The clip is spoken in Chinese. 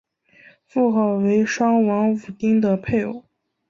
妇好为商王武丁的配偶。